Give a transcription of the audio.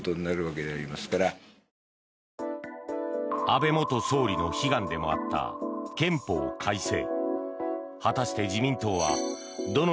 安倍元総理の悲願でもあった憲法改正。